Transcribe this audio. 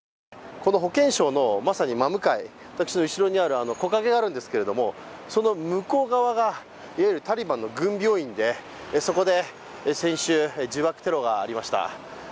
この保健省のまさに真向かい私の後ろにあるあの木陰があるんですけれどもその向こう側がいわゆるタリバンの軍病院でそこで自爆テロがありました